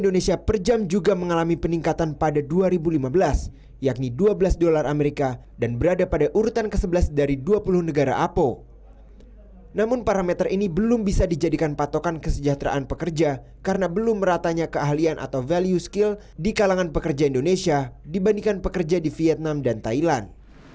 namun parameter ini belum bisa dijadikan patokan kesejahteraan pekerja karena belum meratanya keahlian atau value skill di kalangan pekerja indonesia dibandingkan pekerja di vietnam dan thailand